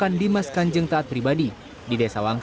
padepokan dimas kanjeng taat pribadi di desa gading kabupaten probolinggo